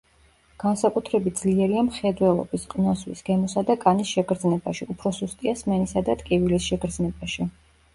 განსაკუთრებით ძლიერია მხედველობის, ყნოსვის, გემოსა და კანის შეგრძნებაში, უფრო სუსტია სმენისა და ტკივილის შეგრძნებაში.